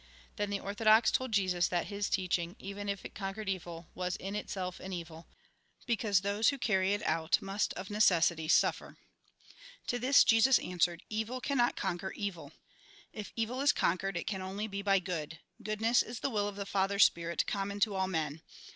Then the orthodox told Jesus that his teaching, even if it conquered evU, was in itself an evil, because those who carry it out must of necessity suffer. To this, Jesus answered :" Evil cannot con quer evil. If evil is conquered, it can only be by good. Goodness is the will of the Father Spirit common to all men.